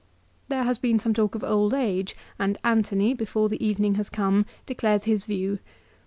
There has been some talk of old age, and Antony, before the evening has come, declares his view.